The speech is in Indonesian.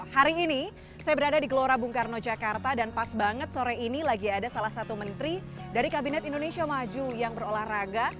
hari ini saya berada di gelora bung karno jakarta dan pas banget sore ini lagi ada salah satu menteri dari kabinet indonesia maju yang berolahraga